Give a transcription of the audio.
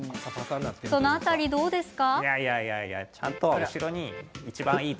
その辺り、どうですか？